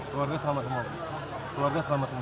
keluarga selamat semua